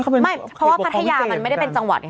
ไม่เพราะว่าพัทยามันไม่ได้เป็นจังหวัดไง